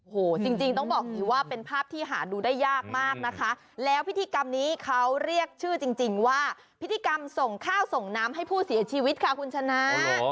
โอ้โหจริงต้องบอกอย่างนี้ว่าเป็นภาพที่หาดูได้ยากมากนะคะแล้วพิธีกรรมนี้เขาเรียกชื่อจริงว่าพิธีกรรมส่งข้าวส่งน้ำให้ผู้เสียชีวิตค่ะคุณชนะ